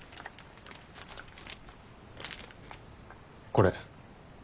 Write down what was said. これ。